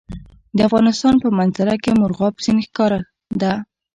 د افغانستان په منظره کې مورغاب سیند ښکاره ده.